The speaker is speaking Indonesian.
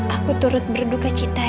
aku turut berduka cinta ya